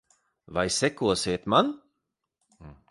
Vai sekosiet man?